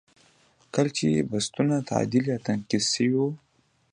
کله چې بستونه تعدیل یا تنقیض شوي وي.